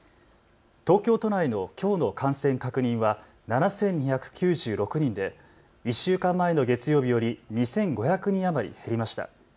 東京都内のきょうの感染確認は７２９６人で１週間前の月曜日より２５００人余り減りました。